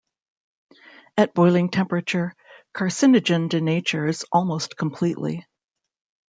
At boiling temperature, carcinogen denatures almost completely.